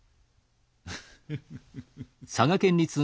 フフフッ。